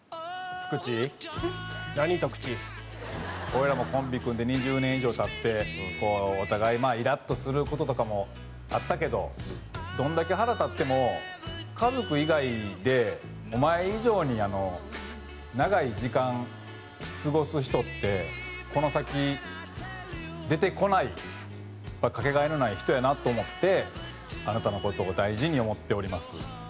俺らもコンビ組んで２０年以上経ってお互いイラっとする事とかもあったけどどんだけ腹立っても家族以外でお前以上に長い時間過ごす人ってこの先出てこないかけがえのない人やなと思ってあなたの事を大事に思っております。